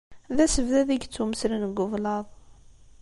D asebdad i yettumeslen deg ublaḍ.